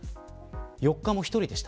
４日も１人でした。